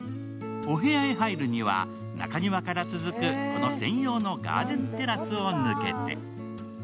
お部屋に入るには中庭から続く専用のガーデンテラスを抜けて。